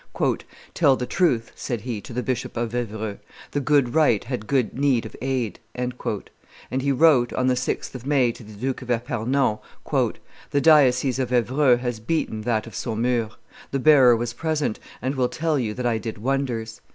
"Tell the truth," said he to the Bishop of Evreux, "the good right had good need of aid;" and he wrote, on the 6th of May to the Duke of Epernon, "The diocese of Evreux has beaten that of Saumur. The bearer was present, and will tell you that I did wonders.